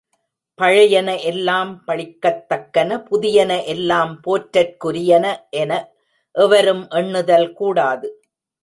பழையன எல்லாம் பழிக்கத் தக்கன புதியன எல்லாம் போற்றற்குரியன என் எவரும் எண்ணுதல் கூடாது.